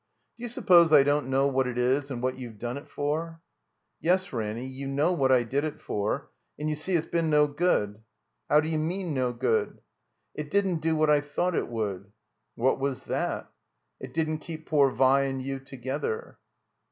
"Do you suppose I don't know what it is and what you've done it for?" "Yes, Ranny, you know what I did it for, and you see, it's been no good." "How d'you mean, no good?" "It didn't do what I thought it would." "What was that?" "It didn't keep poor Vi and you together."